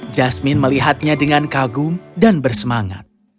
jasmin melihatnya dengan kagum dan bersemangat